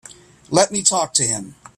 Let me talk to him.